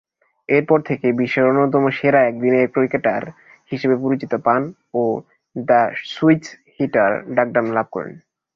এরপর থেকে বিশ্বের অন্যতম সেরা একদিনের ক্রিকেটার হিসেবে পরিচিতি পান ও 'দ্য সুইচ-হিটার' ডাকনাম লাভ করেন।